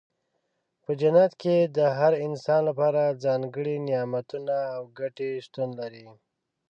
په جنت کې د هر انسان لپاره ځانګړي نعمتونه او ګټې شتون لري.